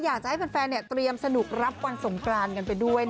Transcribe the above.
อยากจะให้แฟนเตรียมสนุกรับวันสงกรานกันไปด้วย